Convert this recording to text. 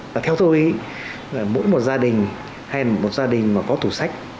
và theo tôi mỗi một gia đình hay là một gia đình mà có tủ sách